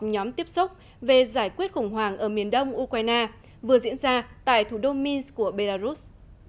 nhóm tiếp xúc về giải quyết khủng hoảng ở miền đông ukraine vừa diễn ra tại thủ đô mins của belarus